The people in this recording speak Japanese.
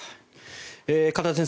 片田先生